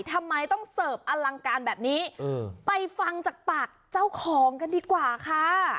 ทำไมต้องเสิร์ฟอลังการแบบนี้ไปฟังจากปากเจ้าของกันดีกว่าค่ะ